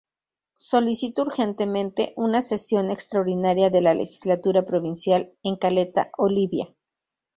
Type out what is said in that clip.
Solicitó urgentemente una sesión extraordinaria de la Legislatura Provincial en Caleta Olivia.